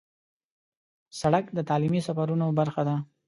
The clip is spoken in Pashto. سړک د تعلیمي سفرونو برخه ده.